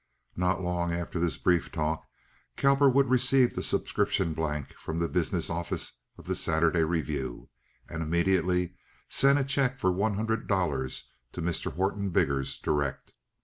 Not long after this brief talk Cowperwood received a subscription blank from the business office of the Saturday Review, and immediately sent a check for one hundred dollars to Mr. Horton Biggers direct.